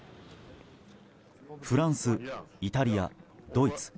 フランス、イタリア、ドイツ。